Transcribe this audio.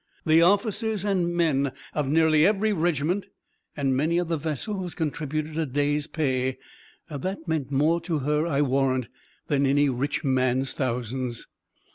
"The officers and men of nearly every regiment and many of the vessels contributed a day's pay." That meant more to her, I warrant, than any rich man's thousands.